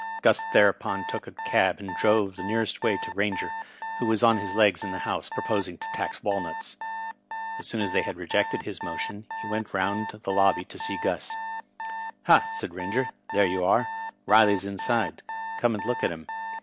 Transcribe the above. Gus thereupon took a cab and drove the nearest way to Rainger, who was on his legs in the Housq, proposing to tax walnuts. As soon as they had rejected his motion, he went round to the Lobby to see Gus. " Ha I " said Rainger, " there you are. Riley's inside. Oome and look at him.